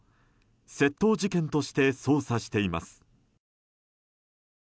窃盗事件として捜査しています。